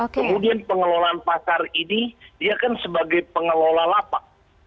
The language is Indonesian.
kemudian pengelolaan pasar ini dia kan sebagai pengelola lapak